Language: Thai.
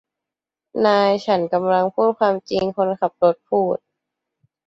นายฉันกำลังพูดความจริงคนขับรถพูด